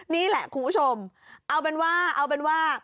นี่แหละคุณผู้ชมเอาเป็นว่า